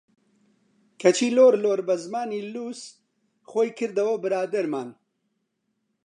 کەچی لۆر لۆر بە زمانی لووس، خۆی کردەوە برادەرمان!